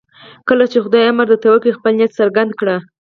کله چې خدای امر درته وکړي خپل نیت څرګند کړئ.